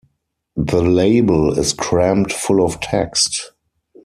The label is crammed full of text.